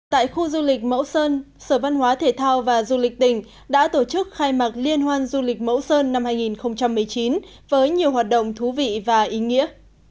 tại khu du lịch mẫu sơn sở văn hóa thể thao và du lịch tỉnh đã tổ chức khai mạc liên hoan du lịch mẫu sơn năm hai nghìn một mươi chín với nhiều hoạt động thú vị và ý nghĩa